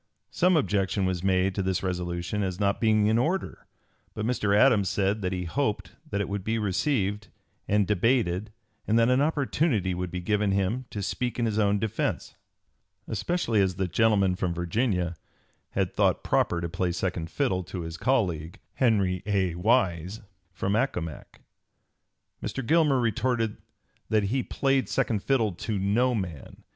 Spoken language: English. Some objection was made to this resolution as not being in order; but Mr. Adams said that he hoped that it would be received and debated and that an opportunity would be given him to speak in his own defence; "especially as the gentleman from Virginia had thought proper to play second fiddle to his colleague from Accomac." Mr. Gilmer retorted that he "played second fiddle to no man.